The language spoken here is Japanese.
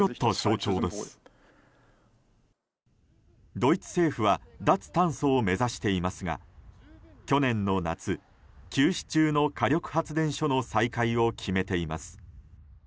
ドイツ政府は脱炭素を目指していますが去年の夏、休止中の火力発電所の再開を決めています。